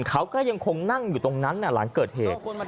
เขาก็ยังคงนั่งอยู่ตรงนั้นหลังเกิดเหตุ